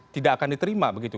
tidak akan diterima begitu